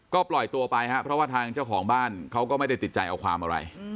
ก็ปล่อยตัวไปครับเพราะว่าทางเจ้าของบ้านเขาก็ไม่ได้ติดใจเอาความอะไร